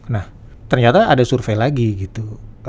nah ternyata ada survei lagi gitu